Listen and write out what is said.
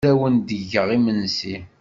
Ad awent-d-geɣ imensi.